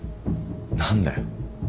何だよ。